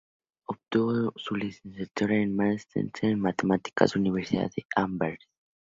Obtuvo su licenciatura y master en matemáticas en la Universidad de Amberes.